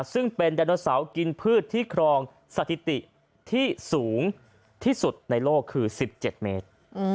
ซึ่งเป็นไดโนเสาร์กินพืชที่ครองสถิติที่สูงที่สุดในโลกคือ๑๗เมตร